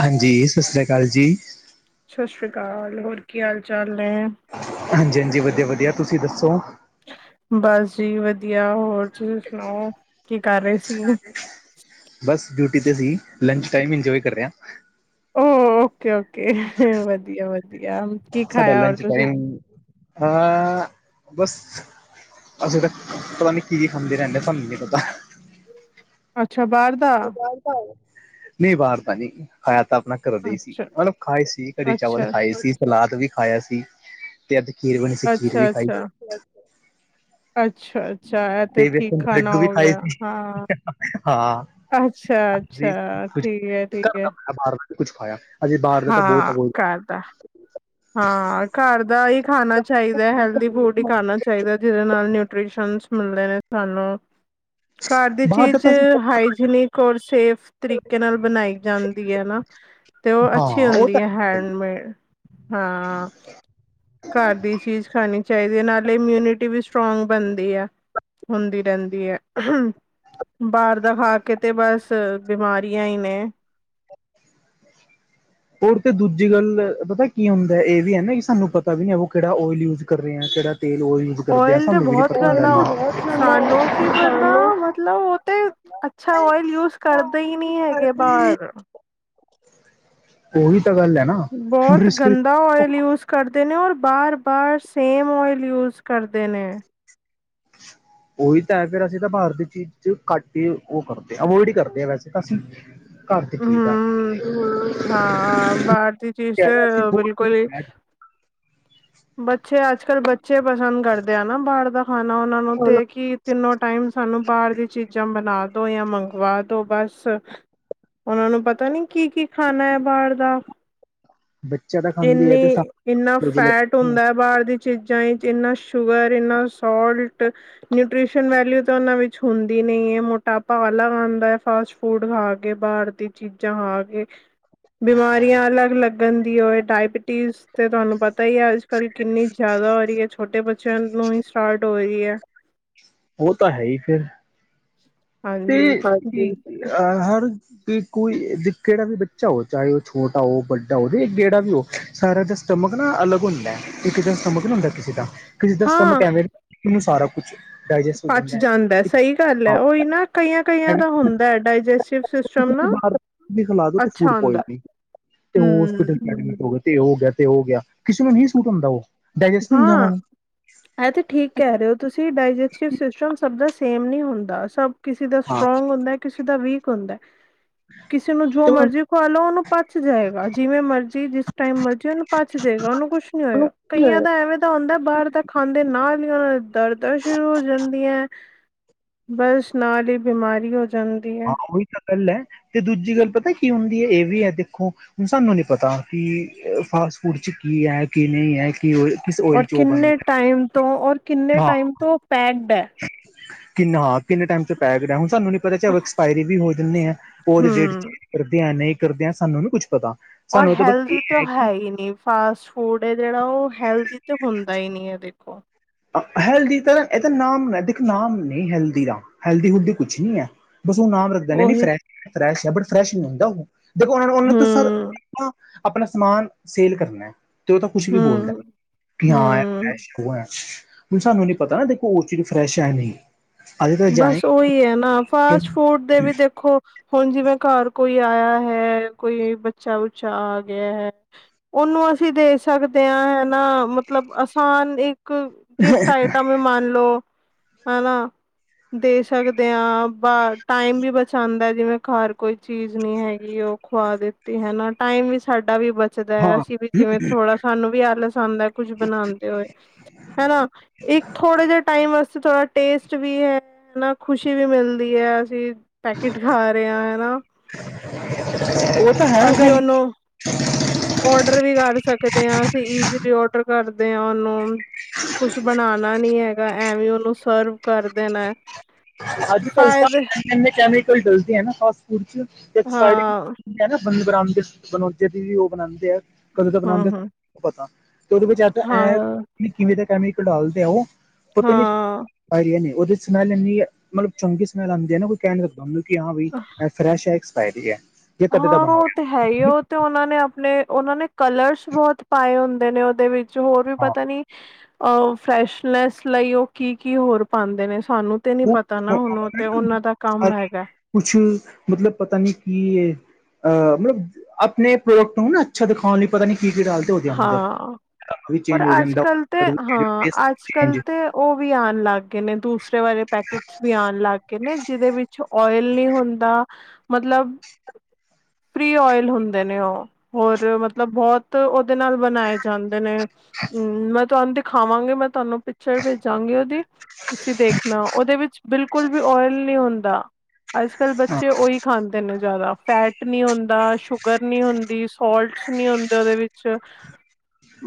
ਹਾਂਜੀ, ਸਸਰੀਆ ਕਾਲ ਜੀ। ਸ਼ਸ਼ਰੀ ਕਾਲ ਹੋਰ ਕੀ ਹਾਲ ਚਾਲ ਨੇ? ਹਾਂਜੀ-ਹਾਂਜੀ, ਵਧੀਆ-ਵਧੀਆ ਤੁਸੀਂ ਦੱਸੋ? ਬਸ ਜੀ ਵਧੀਆ ਹੋਰ ਤੁਸੀਂ ਸੁਣਾਓ ਕੀ ਕਰ ਰਏ ਸੀ? ਬਸ ਡਿਊਟੀ ਤੇ ਸੀ ਲੰਚ ਟਾਈਮ ਇੰਜੋਏ ਕਰ ਰੇ ਆ। ਓ ਓਕੇ, ਓਕੇ ਵਧੀਆ-ਵਧੀਆ ਸਾਡਾ ਲੰਚ ਟਾਈਮ ਅ ਬਸ ਅਸੀਂ ਤਾਂ ਪਤਾ ਨੀ ਕੀ ਕੀ ਖਾਂਦੇ ਰੈਂਦੇ ਆ ਸਾਨੂੰ ਨੀ ਪਤਾ। ਅੱਛਾ ਬਾਰ ਦਾ। ਨਈਂ ਬਾਰ ਦਾ ਨੀ ਖਾਇਆ ਤਾਂ ਅਪਣਾ ਘਰ ਦੇ ਈ ਸੀ, ਅੱਛਾ ਮਤਲਬ ਖਾਏ ਸੀ ਕੜੀ-ਚਾਵਲ ਅੱਛਾ ਖਾਏ ਸੀ, ਸਲਾਦ ਵੀ ਖਾਇਆ ਸੀ ਤੇ ਅੱਜ ਖੀਰ ਬਣੀ ਸੀ, ਖੀਰ ਵੀ ਅੱਛਾ ਖਾਈ ਅੱਛਾ ਅੱਛਾ ਅੱਛਾ ਇਹ ਤੇ ਠੀਕ ਵੇਸਣ ਦੇ ਖਾਣਾ ਲੱਡੂ ਵੀ ਹੋ ਖਾਏ ਗਿਆ ਸੀ ਹਾਂ ਹਾ। ਅੱਛਾ ਅੱਛਾ [unintelligible] ਠੀਕ ਹੈ ਠੀਕ ਘਰ ਹੈ ਦਾ ਖਾਇਆ ਬਾਰ ਦਾ ਨੀ ਕੁਛ ਖਾਇਆ। ਅਜੇ ਬਾਰ ਦਾ ਤਾਂ ਬੋਤ ਹਾਂ ਅਵੋਇਡ ਘਰ ਦਾ ਹਾਂ ਘਰ ਦਾ ਹੀ ਖਾਣਾ ਚਾਈਦਾ ਹੈਲਦੀ ਫੂਡ ਈ ਖਾਣਾ ਚਾਈਦਾ ਜੀਦੇ ਨਾਲ ਨਿਊਟ੍ਰੀਸ਼ਨਸ ਮਿਲਦੇ ਨੇ ਤੁਆਨੂੰ। ਘਰ ਦੀ ਬਾਹਰ ਦਾ ਚੀਜ਼ ਤਾਂ ਅਸੀਂ ਹਾਈਜੀਨਿਕ ਔਰ ਸੇਫ ਤਰੀਕੇ ਨਾਲ ਬਣਾਈ ਜਾਂਦੀ ਐ ਨਾ ਤੇ ਉਹ ਹਾਂ ਅੱਛੀ ਉਹ ਹੁੰਦੀ ਤਾਂ ਐ ਹੈਂਡਮੇਡ। ਹਾਂ ਘਰ ਦੀ ਚੀਜ਼ ਖਾਣੀ ਚਾਈਦੀ ਐ ਨਾਲੇ ਇਮਿਊਨਿਟੀ ਵੀ ਸਟਰੋਂਗ ਬਣਦੀ ਆ। ਹੁੰਦੀ ਰੈਂਦੀ ਐੱ। ਬਾਰ ਦਾ ਖਾ ਕੇ ਤੇ ਬਸ ਬਿਮਾਰੀਆਂ ਈ ਨੇ। ਔਰ ਤੇ ਦੂਜੀ ਗੱਲ ਪਤਾ ਕੀ ਹੁੰਦਾ ਐ ਏ ਵੀ ਐ ਨਾ ਕਿ ਸਾਨੂੰ ਪਤਾ ਵੀ ਨ ਓ ਕੇੜਾ ਓਇਲ ਯੂਜ ਕਰ ਰੇ ਆ ਕੇੜਾ ਤੇਲ ਓ ਯੂਜ ਕਰਦੇ ਆ ਸਾਨੂੰ ਵੀ ਨਈ ਪਤਾ ਹੁੰਦਾ। ਨੋ ਕੀ ਬੰਦਾ ਮਤਲਬ ਓ ਤੇ ਅੱਛਾ ਓਇਲ ਯੂਜ ਕਰਦੇ ਈ ਨੀ ਹੈਗੇ ਬਾਰ ਉਹੀ ਤਾਂ ਗੱਲ ਐ। ਬੋਤ ਗੰ ਦਾ ਓਇਲ ਯੂਜ ਕਰਦੇ ਨੇ ਔਰ ਬਾਰ ਬਾਰ ਸੇਮ ਓਇਲ ਯੂਜ ਕਰਦੇ ਨੇ। ਓਹੀ ਤਾਂ ਹੈ ਫੇਰ ਅਸੀਂ ਤਾਂ ਬਾਰ ਦੀ ਚੀਜ਼ ਚ ਘੱਟ ਈ ਓ ਕਰਦੇ ਅਵੋਇਡ ਈ ਕਰਦੇ ਵੈਸੇ ਤਾਂ ਅਸੀਂ ਘਰ ਚ ਠੀਕ ਆ ਹਾਂ, ਬਾਹਰ ਦੀ ਚੀਜ਼ ਤੇ ਬਿਲਕੁਲ ਹੀ [unintelligible] ਬੱਚੇ ਅੱਜ ਕੱਲ ਬੱਚੇ ਪਸੰਦ ਕਰਦੇ ਆ ਨਾ ਬਾਰ ਦਾ ਖਾਣਾ ਓ ਨਾਂ ਨੂੰ ਚਲੋ ਤੇ ਕਿ ਤਿੰਨੋ ਟਾਈਮ ਸਾਨੂੰ ਬਾਰ ਦੀ ਚੀਜ਼ਾਂ ਬਣਾ ਦੋ ਜਾਂ ਮੰਗਵਾ ਦੋ ਬਸ ਓਨਾਂ ਨੂੰ ਪਤਾ ਨੀ ਕੀ-ਕੀ ਖਾਣਾ ਏ ਬਾਰ ਦਾ ਬੱਚਾ ਤਾਂ ਖਾਂਦੀ ਹੈ ਇੰਨੀ ਤੇ ਏਨਾ ਸਾਨੂੰ ਵੀ ਫੈਟ ਲੱਗੀ, ਹੁੰਦਾ ਐ ਬਾਦ ਚ ਚੀਜ਼ਾਂ ਚ ਇੰਨਾ ਸ਼ੂਗਰ, ਏਨਾ ਸਾਲਟ ਨਿਊਟ੍ਰਿਸ਼ਨ ਵੈਲਊ ਤਾਂ ਉਨਾਂ ਵਿੱਚ ਹੁੰਦੀ ਨਈ ਏ। ਮੋਟਾਪਾ ਵਾਲਾ ਆਂਦਾ ਐ ਫਾਸਟ ਫੂਡ ਖਾ ਕੇ ਬਾਰ ਤੇ ਚੀਜ਼ਾਂ ਖਾ ਕੇ ਬਿਮਾਰੀਆਂ ਅਲੱਗ ਲੱਗਣ ਦੀ ਹੋਏ ਡਾਇਬਟੀਜ਼ ਤੇ ਤਾਨੂੰ ਪਤਾ ਈ ਐ ਅੱਜ ਕੱਲ ਕਿੰਨੀ ਜ਼ਿਆਦਾ ਹੋ ਰੀ ਐ ਛੋਟੇ ਬੱਚਿਆਂ ਨੂੰ ਈ ਸਟਾਰਟ ਹੋ ਰੀ ਐ। [inaudible] ਓ ਤਾਂ ਹੈ ਈ ਫਿਰ। ਹਾਂਜੀ ਆ ਹਰ ਕਿ ਕੋਈ ਵੀ ਕੇੜਾ ਵੀ ਬੱਚਾ ਹੋਵੇ ਚਾਹੇ ਉਹ ਛੋਟਾ ਹੋ ਵੱਡਾ ਹੋਵੇ ਜੇਹੜਾ ਵੀ ਹੋ ਸਾਰਿਆ ਦਾ ਸਟੱਮਕ ਨਾ ਅਲਗ ਹੁੰਦਾਂ ਹੈ। ਇੱਕ ਜਿਹਾ ਸਟੱਮਕ ਨੀ ਹੁੰਦਾ ਕਿਸੇ ਦਾ। ਕਿਸੇ ਦਾ ਹਾਂ ਸਟੱਮਕ ਐਵੇਂ [inaudible] ਉਨੂੰ ਸਾਰਾ ਕੁਛ ਡਾਇਜੈਸਟ ਹੋ ਪਚ ਹੈ। ਜਾਂਦਾ ਸਹੀ ਗੱਲ ਹੈ ਉਹੀ ਨਾਂ ਕਈਆਂ-ਕਈਆਂ ਦਾ ਹੁੰਦਾਂ ਏ, ਡਾਇਜਸਟਿਵ ਸਿਸਟਮ ਨਾ ਤੁਸੀਂ ਬਾਹਰ ਵੀ ਖਿਲਾ ਦੋ ਤੇ ਅੱਛਾ ਫੂਡ ਹੁੰਦਾਂ ਐ। ਪੋਇਜ਼ਨਿੰਗ ਤੇ ਉਹ ਹੋਸਪਿਟਲ ਐਡਮਿਟ ਹੋ ਗਿਆ, ਤੇ ਹੋ ਗਿਆ ਤੇ ਉਹ ਗਿਆ ਕਿਸੇ ਨੂੰ ਨਹੀਂ ਸੂਟ ਹੁੰਦਾਂ ਉਹ। ਡਾਇਜੈਸਟ ਨਹੀਂ ਹੁੰਦਾ ਉਹਨਾਂ ਹਾਂ। ਨੂੰ ਇਹ ਤਾਂ ਠੀਕ ਕਹਿ ਰਹੇ ਹੋ ਤੁਸੀਂ, ਡਾਇਜਸਟਿਵ ਸਿਸਟਮ ਸਭ ਦਾ ਸੇਮ ਨਹੀਂ ਹੁੰਦਾ ਸਭ ਕਿਸੇ ਦਾ ਹਾਂ ਸਟਰੋਂਗ ਹੁੰਦਾਂ ਹੈ, ਕਿਸੇ ਦਾ ਵੀਕ ਹੁੰਦਾਂ ਹੈ। ਕਿਸੇ ਨੂੰ ਜੋ ਮਰਜੀ ਖਵਾ ਲਓ, ਉਹਨੂੰ ਪਚ ਜਾਏਗਾ ਜਿਵੇਂ ਮਰਜ਼ੀ ਜਿਸ ਟਾਈਮ ਮਰਜ਼ੀ ਉਹਨੂੰ ਪਾਚ ਜਾਏਗਾ ਉਹਨੂੰ ਕੁਛ ਨੀ ਹੋਏਗਾ। ਤੇ ਕਈਆਂ ਦਾ ਐਵੇਂ ਤਾਂ ਹੁੰਦਾਂ ਏ ਬਾਹਰ ਤਾਂ ਖਾਂਦੇ ਨਾਲ਼ ਹੀ ਉਨ੍ਹਾਂ ਦੇ ਦਰਦਾਂ ਸ਼ੁਰੂ ਹੋ ਜਾਂਦੀਆਂ ਏ। ਬਸ ਨਾਲ ਹੀ ਬਿਮਾਰੀ ਹੋ ਜਾਂਦੀ। ਹੈ ਹਾਂ ਉਹੀ ਤਾਂ ਗੱਲ ਹੈ, ਤੇ ਦੂਜੀ ਗੱਲ ਪਤਾ ਕੀ ਹੁੰਦੀ ਹੈ ਇਹ ਵੀ ਹੈ ਦੇਖੋ ਹੁਣ ਸਾਨੂੰ ਨੀ ਪਤਾ ਕਿ ਫਾਸਟ ਫੂਡ ਚ ਕੀ ਹੈ ਕੀ ਨਹੀਂ ਹੈ ਕਿ ਕਿਸ ਓਇਲ ਔਰ ਚ ਓ ਕਿੰਨੇ ਬਣਦਾ ਟਾਈਮ ਤੋਂ ਔਰ ਕਿੰਨੇ ਟਾਈਮ ਤੋਂ ਉ ਪੈਕਡ ਹੈ। ਕਿੰਨਾਂ ਹਾਂ ਕਿੰਨੇ ਟਾਈਮ ਤੋਂ ਪੈਕਡ ਐ ਹੁਣ ਸਾਨੂੰ ਨੀ ਪਤਾ ਚਾਏ ਉ ਐਕਸਪਾਇਰੀ ਵੀ ਹੋ ਜਾਂਦੇ ਆ। ਉਹਦੇ ਡੇਟ ਹਮ ਚੇਂਜ ਕਰਦੇ ਆ ਨਹੀਂ ਕਰਦੇ ਆ ਸਾਨੂੰ ਨੀ ਕੁੱਛ ਪਤਾ। ਔਰ ਸਾਨੂੰ ਤਾਂ ਬਸ ਇਹ ਹੈਲਦੀ ਤਾਂ ਓ ਕਿ ਹੈ ਹੀ ਨਹੀਂ ਫ ਫਾਸਟ ਫੂਡ ਹੈ ਜਿਹੜਾ ਉਹ ਹੈਲਦੀ ਤਾਂ ਹੁੰਦਾ ਹੀ ਨਹੀਂ ਹੈ ਦੇਖੋ ਹੈਲਦੀ ਤਾਂ ਇਹ ਤਾਂ ਨਾਮ ਦੇਖ ਨਾਮ ਨਹੀਂ ਹੈਲਦੀ ਦਾ ਹੈਲਦੀ ਹ ਕੁਛ ਨੀਂ ਹੈ। ਬਸ ਨਾਮ ਰੱਖਦੇ ਨੇ ਨ ਉਹੀ ਫਰੈਸ਼ ਆ ਬਟ ਫਰੈਸ਼ ਨੀਂ ਹੁੰਦਾ ਉਹ। ਹਮ ਆਪਣਾ ਸਮਾਨ ਸੇਲ ਕਰਨਾ ਤੇ ਉਹ ਤਾਂ ਕੁਛ ਵੀ ਹਮ ਬੋਲਦਾ ਕਿ ਹਾਂ ਹਮ [unintelligible] ਹੁਣ ਸਾਨੂੰ ਨੀਂ ਪਤਾ ਨਾ ਦੇਖੋ ਉਹ ਚੀਜ਼ ਫਰੈਸ਼ ਹੈ ਨਹੀਂ। ਬਸ ਉਹੀ ਹੈ ਨਾਂ ਫਾਸਟ ਫੂਡ ਦੇ ਵੀ ਦੇਖੋ ਹੁਣ ਜਿਵੇਂ ਘਰ ਕੋਈ ਕਿ ਆਇਆ ਹੈ ਕੋਈ ਬੱਚਾ- ਬੁੱਚਾ ਆ ਗਿਆ ਹੈ। ਉਹਨੂੰ ਅਸੀਂ ਦੇ ਸਕਦੇ ਹੈ ਨ ਮਤਲਬ ਆਸਾਨ ਇੱਕ ਇੱਕ ਗਿਫਟ ਆਈਟਮ ਵੀ ਮੰਨ ਲੋ ਹਨਾਂ। ਦੇ ਸਕਦੇ ਹਾਂ, ਬ ਟਾਈਮ ਵੀ ਬਚਾਉਂਦਾ ਜਿਵੇਂ ਘਰ ਕੋਈ ਚੀਜ਼ ਨਹੀਂ ਹੈਗੀ ਉਹ ਖਵਾ ਦਿੱਤੀ ਹਨਾ, ਟਾਈਮ ਵੀ ਸਾਡਾ ਵੀ ਬ [unintelligible] ਅਸੀਂ ਵੀ ਜਿਵੇਂ ਥੋੜਾ ਸਾਨੂੰ ਵੀ ਆਲਸ ਆਉਦਾ ਹੈ ਕੁੱਝ ਬਣਾਉਂਦੇ ਹੋਏ। ਹਨਾਂ। ਇੱਕ ਥੋੜੇ ਜਿ ਟਾਈਮ ਵਾਸਤੇ ਥੋੜ੍ਹਾ ਟੇਸਟ ਵੀ ਹੈ ਨਾਂ ਖੁਸ਼ੀ ਵੀ ਮਿਲਦੀ ਹੈ ਅਸੀਂ ਪੈਕੇਟ ਖਾ ਰਹੇ ਹਾਂ ਹਨਾਂ ਅਸੀਂ ਉਹਨੂੰ ਔਡਰ ਵੀ ਕਰ ਸਕਦੇ ਹਾਂ, ਅਸੀਂ ਈਜ਼ਲੀ ਔਡਰ ਕਰਦੇ ਹਾਂ ਉਹਨੂੰ। ਕੁਛ ਬਣਾਣਾ ਨੀ ਹੈਗਾ ਐਵੇਂ ਉਹਨੂੰ ਸਰਵ ਕਰ ਦੇਣਾ। ਅੱਜ- ਕੱਲ ਤਾਂ ਫਾਇਦੇ ਇਨੇ-ਇਨੇ ਕੈਮੀਕਲ ਡਲਦੇ ਆ ਨਾਂ ਫਾਸਟ ਫੂਡ ਚ। [unintelligible] [inaudible] ਹਾਂ ਹੁੰਦੀ ਹੈ ਨਾਂ। ਬੰਦੇ ਬਣਾਉਂਦੇ- ਬਣਾਉਂਦੇ ਵੀ ਉਹ ਬਣਾਉਂਦੇ ਆ ਕਦੋਂ ਤੱਕ ਬਣਾਉਂਦੇ ਹਮ ਹਮ ਪਤਾ। ਤੇ ਉਹਦੇ ਵਿੱਚ ਆਪ ਐ ਹਾਂ ਕਿਵੇਂ ਦਾ ਕੈਮੀਕਲ ਡਾਲਦੇ ਆ ਉਹ ਪਤਾ ਨੀਂ ਹਾਂ ਉਹਦੇ 'ਚ ਸੱਮੈਲ ਇੰਨੀ ਮਤਲਬ ਚੰਗੀ ਸੱਮੈਲ ਆਂਦੀ ਹੈ ਨਾਂ ਕੋਈ ਕਹਿ ਨੀ ਸਕਦਾ ਉਹਨੂੰ ਕਿ ਹਾਂ ਬ ਫਰੈਸ਼ ਹੈ ਐਕਸਪਾਇਰੀ ਹੈ। ਜਾਂ ਕਦੇ ਦਾ ਹਾਂ ਬਣਾ ਉਹ ਹੋਇਆ ਤੇ ਹੈ ਹੀ ਉਹਨਾਂ ਨੇ ਆਪਣੇ ਉਹਨਾਂ ਨੇ ਕਲਰਸ ਬਹੁਤ ਪਾਏ ਹੁੰਦੇ ਨੇ ਉਹਦੇ ਵਿੱਚ ਹੋਰ ਵੀ ਹਾਂ ਪਤਾ ਨੀਂ ਆਹੋ ਫਰੈਸ਼ਨੈਸ ਲਈ ਉਹ ਕੀ- ਕੀ ਹੋਰ ਪਾਉਂਦੇ ਨੇ ਸਾਨੂੰ ਤੇ ਨੀਂ ਪਤਾ ਨਾਂ ਹੁਣ ਤੇ ਉਹ- ਉਹਨਾਂ ਦਾ ਕੰਮ ਹੈਗਾ। ਕੁਛ ਮਤਲਬ ਪਤਾ ਨੀਂ ਕੀ ਏ। ਅ ਮਤਲਬ ਆਪਣੇ ਪ੍ਰੋਡਕਟ ਨੂੰ ਨਾਂ ਅੱਛਾ ਦਿਖਾਉਣ ਲਈ ਪਤਾ ਨੀਂ ਕੀ ਕੀ ਡਾਲ ਹਾਂ ਪਰ ਅੱਜ- ਜਾਂਦਾ ਕੱਲ੍ਹ ਤੇ ਕਲਰ ਵੀ ਹਾਂ ਟੇਸਟ ਅੱਜ- ਕੱਲ੍ਹ ਚੇਂਜ ਤੇ ਉਹ ਵੀ ਆਉਣ ਲੱਗ ਗਏ ਨੇ ਦੂਸਰੇ ਵਾਲ਼ੇ ਪੈਕਟਸ ਵੀ ਆਉਣ ਲੱਗ ਗਏ ਨੇ ਜਿਹਦੇ ਵਿੱਚ ਓਇਲ ਨਹੀਂ ਹੁੰਦਾ ਮਤਲਬ ਫਰੀ ਓਇਲ ਹੁੰਦੇ ਨੇ ਉਹ ਹੋਰ ਮਤਲਬ ਬਹੁਤ ਉਹਦੇ ਨਾਲ ਬਣਾਏ ਜਾਂਦੇ ਨੇ ਹੂੰਮ ਮੈਂ ਤੁਹਾਨੂੰ ਤੇ ਖਾਵਾਂਗੇ ਮੈਂ ਤੁਹਾਨੂੰ ਪਿਕਚਰ ਭੇਜਾਂਗੀ ਉਹਦੀ ਤੁਸੀਂ ਦੇਖਣਾ ਉਹਦੇ ਵਿੱਚ ਬਿਲਕੁਲ ਵੀ ਓਇਲ ਨਹੀਂ ਹੁੰਦਾ ਅੱਜ ਕੱਲ ਹਾਂ ਬੱਚੇ ਉਹੀ ਖਾਂਦੇ ਨੇ ਜ਼ਿਆਦਾ ਫੈਟ ਨਹੀਂ ਹੁੰਦਾ ਸ਼ੂਗਰ ਨਹੀਂ ਹੁੰਦੀ ਸੋਲਟਸ ਨਹੀਂ ਹੁੰਦੇ ਉਹਦੇ ਵਿੱਚ ਵਿੱਚ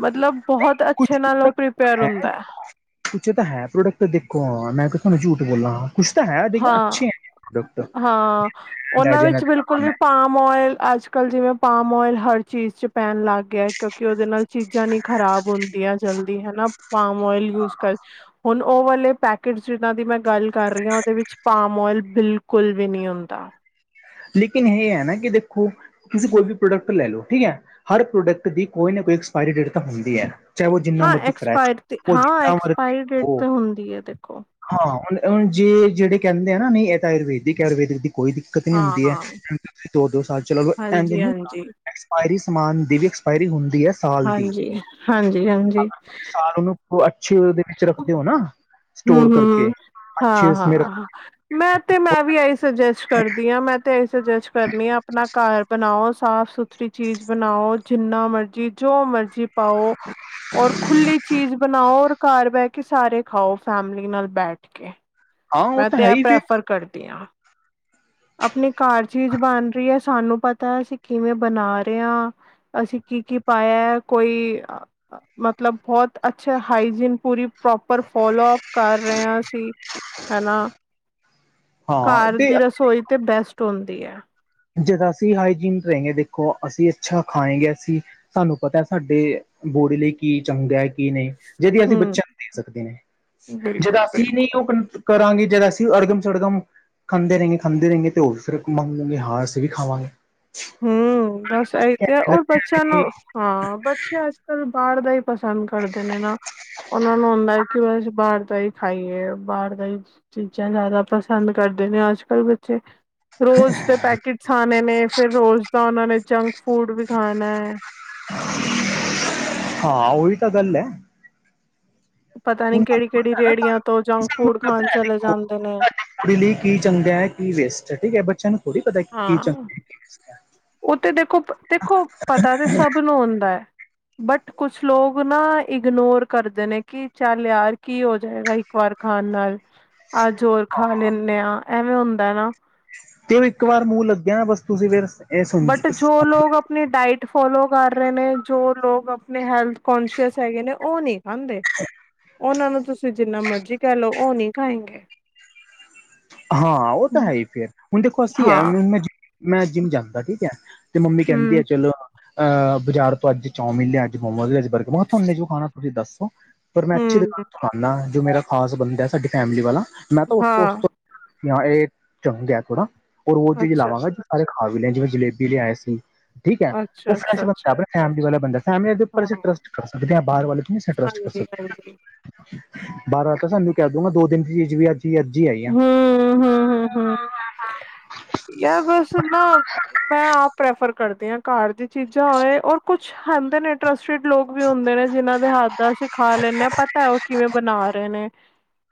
ਮਤਲਬ ਬਹੁਤ ਅੱਛੇ ਨਾਲ ਉਹ ਪ੍ਰੀਪੇਅਰ ਹੁੰਦਾ ਐ ਪੁੱਛਿਆ ਤਾਂ ਹੈ ਪ੍ਰੋਡਕਟ ਦੇਖੋ ਹਾਂ ਮੈਂ ਤੁਹਾਨੂੰ ਕਿਉ ਝੂਠ ਬੋਲਾ ਹਾਂ ਕੁਛ ਤਾਂ ਹੈ ਦੇਖ ਹਾਂ ਅੱਛੇ ਹੈ ਪ੍ਰੋਡਕਟ ਹਾਂ ਉਹਨਾਂ ਅੰਦਾਜ਼ੇ ਨਾਲ ਵਿੱਚ ਬਿਲਕੁਲ ਦਿਖਾਵਾ ਵੀ ਮੈਂ ਪਾਮ ਓਇਲ ਅੱਜਕਲ ਜਿਵੇਂ ਪਾਮ ਓਇਲ ਹਰ ਚੀਜ਼ ' ਪੈਣ ਲੱਗ ਗਿਆ ਕਿਉਂਕਿ ਉਹਦੇ ਨਾਲ ਚੀਜ਼ਾਂ ਨੀ ਖ਼ਰਾਬ ਹੁੰਦੀਆਂ ਜਲਦੀ ਹਨਾ ਪਾਮ ਓਇਲ ਯੂਜ ਕਰ ਹੁਣ ਉਹ ਵਾਲੇ ਪੈਕਟਸ ਜਿਨਾਂ ਦੀ ਮੈਂ ਗੱਲ ਕਰ ਰਹੀ ਹਾਂ ਉਹਦੇ ਵਿੱਚ ਪਾਮ ਓਇਲ ਬਿਲਕੁਲ ਵੀ ਨਹੀਂ ਹੁੰਦਾ ਲੇਕਿਨ ਇਹ ਆ ਨਾ ਕਿ ਦੇਖੋ ਤੁਸੀਂ ਕੋਈ ਵੀ ਪ੍ਰੋਡਕਟ ਲੈ ਲਓ ਠੀਕ ਹੈ ਹਰ ਪ੍ਰੋਡਕਟ ਦੀ ਕੋਈ ਨਾ ਕੋਈ ਐਕਸਪਾਇਰੀ ਡੇਟ ਤਾਂ ਹੁੰਦੀ ਹੈ ਚਾਹੇ ਉਹ ਜਿੰਨਾ ਹਾਂ ਮਰਜ਼ੀ ਫਰੈਸ਼ ਐਕਸਪਾਇਰ ਤੇ ਉਹ ਹਾਂ ਜਿੰਨਾ ਮਰਜੀ ਐਕਸਪਾਇਰੀ ਡੇਟ ਹੋ ਤੇ ਹੁੰਦੀ ਹੈ ਦੇਖੋ ਹਾਂ ਹੁਣ ਜੇ ਜਿਹੜੇ ਕਹਿੰਦੇ ਆ ਨਾ ਨਹੀਂ ਇਹ ਤਾਂ ਆਯੁਰਦਿਕ ਆਯੁਰਵੈਦਿਕ ਦੀ ਕੋਈ ਦਿੱਕਤ ਨਹੀਂ ਹਾਂ ਹੁੰਦੀ ਹੈ ਹਾਂ ਦੋ ਦੋ ਸਾਲ ਚਲੋ ਪਰ ਇੰਝ ਹਾਂਜੀ ਨੀ ਹੁੰਦਾ ਹਾਂਜੀ ਐਕਸਪਾਇਰੀ ਸਮਾਨ ਦੀ ਵੀ ਐਕਸਪਾਇਰੀ ਹੁੰਦੀ ਐ ਹਾਂਜੀ ਹਾਂਜੀ ਹਾਂਜੀ ਉਹ ਅੱਛੀ ਉਹਦੇ ਵਿੱਚ ਰੱਖਦੇ ਹੋ ਨਾ ਸਟੋਰ ਹੂੰਮ ਹੂੰਮ ਕਰਕੇ ਹੂੰਮ ਹਾਂ ਅੱਛੇ ਉਸਮੇ ਰੱਖਦੇ ਹਾਂ ਮੈਂ ਤੇ ਮੈਂ ਵੀ ਇਹੀ ਸੁਜੈਸਟ ਕਰਦੀ ਹਾਂ ਮੈਂ ਤੇ ਇਹੀ ਸੁਜੈਸਟ ਕਰਨੀ ਆ ਆਪਣਾ ਘਰ ਬਣਾਓ ਸਾਫ਼ ਸੁਥਰੀ ਚੀਜ਼ ਬਣਾਓ ਜਿੰਨਾ ਮਰਜ਼ੀ ਜੋ ਮਰਜ਼ੀ ਪਾਓ ਔਰ ਖੁੱਲੀ ਚੀਜ਼ ਬਣਾਓ ਔਰ ਘਰ ਬਹਿ ਕੇ ਸਾਰੇ ਖਾਓ ਫੈਮਲੀ ਨਾਲ ਬੈਠ ਕੇ ਹਾਂ ਉਹ ਮੈਂ ਤਾਂ ਤੇ ਹੈ ਇਹ ਹੀ ਫਿਰ ਪ੍ਰੈਫਰ ਕਰਦੀ ਹਾਂ ਆਪਣੀ ਘਰ ਚੀਜ਼ ਬਣ ਰਹੀ ਹੈ ਸਾਨੂੰ ਪਤਾ ਅਸੀਂ ਕਿਵੇਂ ਬਣਾ ਰਹੇ ਆ ਅਸੀਂ ਕੀ ਕੀ ਪਾਇਆ ਕੋਈ ਮਤਲਬ ਬਹੁਤ ਅੱਛੇ ਹਾਈਜੀਨ ਪੂਰੀ ਪ੍ਰੋਪਰ ਫੋਲੋ ਅਪ ਕਰ ਰਹੇ ਆ ਅਸੀਂ ਹਨਾ ਹਾਂ ਘਰ ਤੇ ਦੀ ਰਸੋਈ ਤੇ ਬੈਸਟ ਹੁੰਦੀ ਐ ਜਦੋਂ ਅਸੀਂ ਹਾਈਜੀਨ ਰਹਗੇ ਦੇਖੋ ਅਸੀਂ ਅੱਛਾ ਖਾਏਗੇ ਅਸੀਂ ਸਾਨੂੰ ਪਤਾ ਸਾਡੇ ਬੋਡੀ ਲਈ ਕੀ ਚੰਗਾ ਹੈ ਕੀ ਨਹੀਂ ਜਿਹਦੀ ਅਸੀਂ ਹੂੰ ਬੱਚਿਆਂ ਨੂੰ ਦੇਖ ਸਕਦੇ ਨੇ ਜਿਹੜਾ ਬਿਲਕੁਲ ਅਸੀਂ ਨਹੀਂ ਬਿਲਕੁਲ ਉਹ ਕਰਾਂਗੇ ਜਦ ਅਸੀਂ ਅਰਗਮ ਸੜਗਮ ਖਾਂਦੇ ਰਹਿੰਗੇ ਖਾਂਦੇ ਰਹਿੰਗੇ ਤੇ ਉਹ ਸਿਰ ਮੰਗ ਲਗੇ ਹਾਂ ਅਸੀਂ ਵੀ ਖਾਵਾਂਗੇ ਹੂੰਮ ਬਸ ਆ ਉਹਰ ਬੱਚਿਆਂ ਨੂੰ ਹਾਂ ਬੱਚੇ ਅੱਜ ਕੱਲ ਬਾਹਰ ਦਾ ਹੀ ਪਸੰਦ ਕਰਦੇ ਨੇ ਨਾ ਉਹਨਾਂ ਨੂੰ ਹੁੰਦਾ ਕਿ ਬਸ ਬਾਹਰ ਦਾ ਹੀ ਖਾਈਏ ਬਾਹਰ ਦਾ ਹੀ ਚੀਜ਼ਾਂ ਜ਼ਿਆਦਾ ਪਸੰਦ ਕਰਦੇ ਨੇ ਅੱਜ ਕੱਲ੍ਹ ਬੱਚੇ ਰੋਜ਼ ਦੇ ਪੈਕਟਸ ਆਣੇ ਨੇ ਫਿਰ ਰੋਜ਼ ਦਾ ਉਹਨਾ ਨੇ ਜੰਕ ਫੂਡ ਵੀ ਖਾਣਾ ਹੈ ਹਾਂ ਉਈ ਤਾਂ ਗੱਲ ਏ ਪਤਾ ਨੀ ਕੇਹੜੀ ਕੇਹੜੀ ਪਤਾ ਨਾ ਰੇਹੜੀਆਂ ਤੋਂ ਜੰਕ ਸਾਨੂੰ ਫੂਡ ਖਾਨ ਪਤਾ ਹੈ ਚਲੇ ਦੇਖੋ ਜਾਂਦੇ ਨੇ ਸਾਡੀ ਕੁੜੀ ਲਈ ਕੀ ਚੰਗੈ ਕੀ ਵੇਸਟ ਐ, ਠੀਕ ਏ ਬੱਚਿਆਂ ਨੂੰ ਥੋੜ੍ਹੀ ਪਤਾ ਕੀ ਚੰਗੈ ਕੀ ਵੇਸਟ ਐ ਓਹ ਤੇ ਦੇਖੋ, ਦੇਖੋ ਪਤਾ ਤੇ ਸਭ ਨੂੰ ਹੁੰਦਾ ਐ। ਬਟ ਕੁਛ ਲੋਕ ਨਾ ਇਗਨੋਰ ਕਰਦੇ ਨੇ ਕਿ ਚੱਲ ਯਾਰ ਕੀ ਹੋ ਜਾਏਗਾ ਇਕ ਵਾਰ ਖਾਨ ਨਾਲ, ਅੱਜ ਹੋਰ ਖਾ ਲੈਂਦੇ ਹਾਂ, ਐਵੇਂ ਹੁੰਦਾ ਨਾ। ਤੇ ਓਹ ਇੱਕ ਵਾਰ ਮੂੰਹ ਲੱਗਿਆ ਨਾ ਬਸ ਤੁਸੀਂ ਫਿਰ ਇਹ ਬਟ ਜੋ ਸਮਝ ਲੋਕ ਅਪ ਆਪਣੀ ਡਾਇਟ ਫੋਲੋ ਕਰ ਰਏ ਨੇ ਜੋ ਲੋਕ ਆਪਣੇ ਹੈਲਥ ਕੋਂਸ਼ੀਅਸ ਹੈਗੇ ਨੇ, ਓਹ ਨਈ ਖਾਂਦੇ ਓਹਨਾਂ ਨੂੰ ਤੁਸੀਂ ਜਿੰਨਾ ਮਰਜੀ ਕਹਿ ਲਓ ਓਹ ਨਈ ਖਾਏਗੇ ਹਾਂ, ਉਹ ਤਾਂ ਹੈ ਹੀ ਫੇਰ। ਹੁਣ ਦੇਖੋ, ਅਸੀਂ ਹੈ ਹਾਂ ਮੈਂ ਜਿੰਮ ਜਾਂਦਾ, ਠੀਕ ਹੈ। ਤੇ ਮੰਮੀ ਕਹਿੰਦੀ ਆ ਹਮ ਚਲੋ, ਅਹ ਅਹ ਬਾਜ਼ਾਰ ਤੋਂ ਅੱਜ ਚੌਮਿਨ ਲਿਆ, ਅੱਜ ਮੋਮੋਜ ਲਿਆ, ਬਰਗਰ ਮੈਂ ਕਿਹਾ ਤਾਹਨੇ ਜੋ ਖਾਣਾ ਤੁਸੀਂ ਦੱਸੋ, ਪਰ ਮੈਂ ਅੱਛੀ ਹਮ ਦੁਕਾਨ ਤੋ ਲਾਨਾ, ਜੋ ਮੇਰਾ ਖਾਸ ਬੰਦੈ ਸਾਡੀ ਫੈਮਿਲੀ ਵਾਲਾ। ਮੈਂ ਤਾਂ ਉਸ ਤੋਂ ਉਸ ਹਾਂ ਤੋਂ ਯਾ ਏਹ ਚੰਗ ਐਪ ਤੋਂ ਨਾ ਔਰ ਓਹ ਚੀਜ਼ ਅੱਛਾ ਲਾਵਾਂਗਾ, ਜੇਹੜਾ ਸਾਰੇ ਖਾ ਵੀ ਲੈਣ ਜਿਵੇਂ ਜਲੇਬੀ ਲਿਆਇਆ ਸੀ, ਠੀਕ ਐ ਓਹ ਅੱਛਾ ਫਰੈਸ਼ ਅੱਛਾ ਅੱਛਾ ਬੰਦਾ ਫੈਮਲੀ ਵਾਲਾ ਬੰਦਾ। ਫੈਮਿਲੀ ਦੇ ਉੱਪਰ ਹਾਂ ਅਸੀ ਟਰੱਸਟ ਕਰ ਸਕਦੇ ਆਂ, ਬਾਹਰ ਵਾਲੇ ਤੇ ਨਈਂ ਅਸੀਂ ਟਰੱਸਟ ਕਰ ਸਕਦੇ। [inaudible] ਬਾਹਰ ਵਾਲਾ ਤਾਂ ਸਾਨੂੰ ਕਹਿ ਦਊਗਾ ਦੋ ਦਿਨ ਦੀ ਚੀਜ਼ ਵੀ ਅੱਜ ਈ-ਅੱਜ ਈ ਆਈ ਐ। ਹੁੰ, ਯਾਹ ਬੱਸ ਨਾ ਮੈਂ ਆਪ ਪ੍ਰੈਫਰ ਕਰਦੀ ਆਂ ਘਰ ਦੀ ਚੀਜਾਂ ਹੋਏ ਔਰ ਕੁਛ ਹੋਂਦੇ ਨੇ ਟਰੱਸਟਿਡ ਲੋਕ ਵੀ ਹੁੰਦੇ ਨੇ, ਜਿੰਨਾਂ ਦੇ ਹੱਥ ਦਾ ਅਸੀਂ ਖਾਂ ਲੈਂਨੇ ਆਂ, ਪਤਾ ਓਹ ਕਿਵੇਂ ਬਨਾ ਰਹੇ ਨੇ।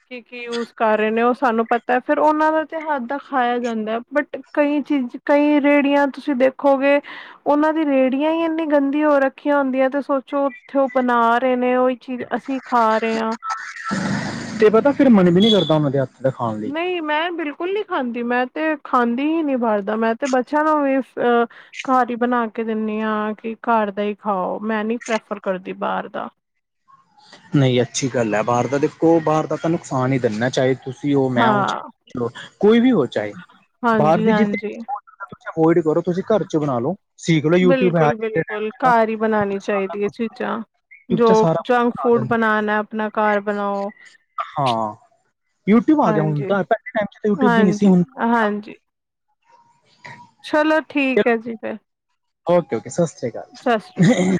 ਕੀ-ਕੀ ਯੂਜ਼ ਕਰ ਰਹੇ ਨੇ ਓਹ ਸਾਨੂੰ ਪਤਾ ਐ ਫੇਰ ਓਹਨਾਂ ਦਾ ਤਾਂ ਹੱਥ ਦਾ ਖਾਇਆ ਜਾਂਦੈ। ਬਟ, ਕਈ ਚੀਜ਼ ਕਈ ਰੇਹੜੀਆਂ ਤੁਸੀਂ ਦੇਖੋ ਦੇਖੋਗੇ ਉਹਨਾਂ ਦੀ ਰੇਹੜੀਆਂ ਹੀ ਇੰਨੀ ਗੰਦੀ ਹੋ ਰੱਖੀਆਂ ਹੁੰਦੀਆਂ ਤੇ ਸੋਚੋ ਓਥੇ ਓਹ ਬਣਾ ਰਹੇ ਨੇ ਓਹੀ ਚੀਜ਼ ਅਸੀਂ ਖਾ ਰਏ ਆਂ। ਤੇ ਪਤਾ ਫਿਰ ਮਨ ਵੀ ਨੀ ਕਰਦਾ ਉਹਨਾਂ ਦੇ ਹੱਥ ਦਾ ਖਾਨ ਲਈ। ਨਈ, ਮੈਂ ਬਿਲਕੁਲ ਨੀ ਖਾਂਦੀ ਮੈਂ ਤੇ ਖਾਂਦੀ ਹੀ ਨਹੀਂ ਬਾਹਰ ਦਾ। ਮੈਂ ਤੇ ਬੱਚਿਆਂ ਨੂੰ ਵੀ ਇਸ ਆਪ ਹੀ ਬਣਾ ਕੇ ਦੇਨੀ ਆਂ ਕਿ ਘਰ ਦਾ ਹੀ ਖਾਓ। ਮੈਂ ਨੀ ਪ੍ਰੈਫਰ ਕਰਦੀ ਬਾਹਰ ਦਾ। ਨਹੀਂ ਅੱਛੀ ਗੱਲ ਹੈ ਬਾਹਰ ਦਾ ਦੇਖੋ ਬਾਹਰ ਦਾ ਤਾਂ ਨੁਕਸਾਨ ਹੀ ਦਿੰਦਾ। ਚਾਹੇ ਤੁਸੀਂ ਹੋ, ਮੈਂ ਹਾਂ ਚਾਹੇ ਕੋਈ ਵੀ ਹੋ ਚਾਹੇ। ਬਾਹਰ ਹਾਂਜੀ ਦੀ ਚੀਜ਼ਾਂ ਹਾਂਜੀ [unintelligible] ਅਵੋਇਡ ਕਰੋ। ਤੁਸੀਂ ਘਰ 'ਚ ਬਨਾ ਲਓ, ਸੀਖ ਲੋ ਯੂਟਿਊਬ ਹੈ ਬਿਲਕੁਲ ਅੱਜ ਦੇ ਟੈਮ ਬਿਲਕੁਲ ਚ ਤਾਂ ਘਰ ਹੀ ਬਣਾਉਣੀ ਚਾਹੀਦੀ ਹੈ ਚੀਜ਼ਾਂ [unintelligible] ਜੋ ਸਾਰਾ ਕੁਝ ਜੰਕ ਬਣਾ ਫੂਡ ਦਿੰਦੇ ਬਨਾਨੈ, ਆਪਨਾ ਘਰ ਬਨਾਓ। ਹਾਂ, ਯੂਟਿਊਬ ਆ ਗਿਆ ਹੁਨ ਹਾਂਜੀ ਤਾਂ ਪਹਿਲੇ ਟੈਮ 'ਚ ਤੇ ਯੂਟਿਊਬ ਵੀ ਨਹੀਂ ਸੀ। ਹਾਂਜੀ ਹੁਨ ਹਾਂਜੀ [inaudible] ਚਲੋ ਠੀਕ ਹੈ ਜੀ ਫਿਰ ਓਕੇ ਉਕੇ, ਸਤਿ ਸ਼੍ਰੀ ਸਤਿ ਸ਼੍ਰੀ ਅਕਾਲ।